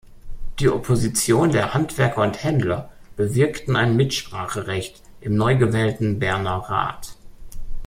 Die Opposition der Handwerker und Händler bewirkten ein Mitspracherecht im neugewählten Berner Rat.